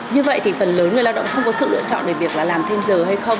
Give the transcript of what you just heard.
như vậy thì phần lớn người lao động không có sự lựa chọn về việc là làm thêm giờ hay không